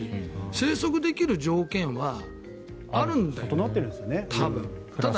生息できる条件はあるんだよね、多分。